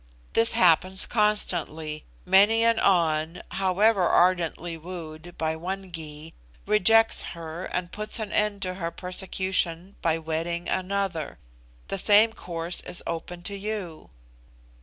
This happens constantly. Many an An, however, ardently wooed by one Gy, rejects her, and puts an end to her persecution by wedding another. The same course is open to you."